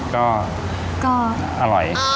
ก็อร่อย